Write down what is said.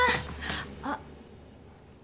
あっ。